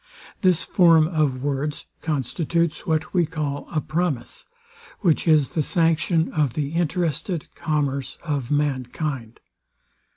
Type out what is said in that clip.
This form of words constitutes what we call a promise, which is the sanction of the interested commerce of mankind.